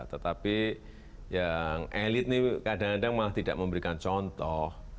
tetapi yang elit ini kadang kadang malah tidak memberikan contoh